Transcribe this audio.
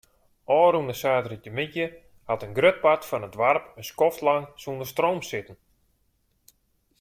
Ofrûne saterdeitemiddei hat in grut part fan it doarp in skoftlang sûnder stroom sitten.